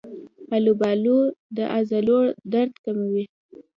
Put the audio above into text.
آلوبالو د عضلو درد کموي.